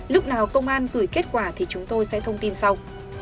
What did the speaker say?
lúc nào công an gửi kết quả thì chúng tôi sẽ thông tin sau